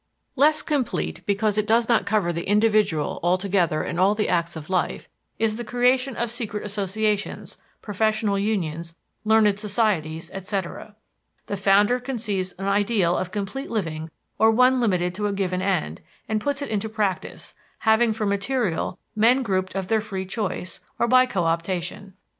Less complete because it does not cover the individual altogether in all the acts of life is the creation of secret associations, professional unions, learned societies, etc. The founder conceives an ideal of complete living or one limited to a given end, and puts it into practice, having for material men grouped of their free choice, or by coöptation.